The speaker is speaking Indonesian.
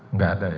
enggak ada ya